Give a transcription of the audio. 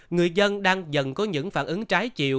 người dân đang dần có những phản ứng trái chiều